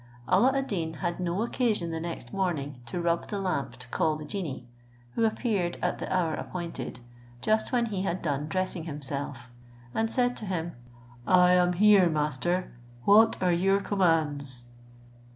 Alla ad Deen had no occasion the next morning to rub the lamp to call the genie; who appeared at the hour appointed, just when he had done dressing himself, and said to him, "I am here, master, what are your commands?"